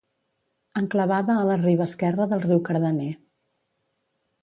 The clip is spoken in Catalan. Enclavada a la riba esquerra del riu Cardener.